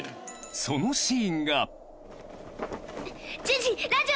そのシーンがジジ！